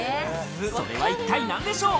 それは一体何でしょう？